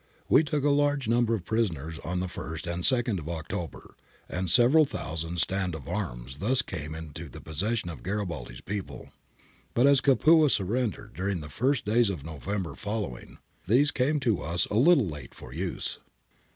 ' We took a large number of prisoners on the 1st and 2nd of October, and several thousand stand of arms thus came into the possession of Garibaldi's people ; but as Capua sur rendered during the first days of November following, these came to us a little late for use.'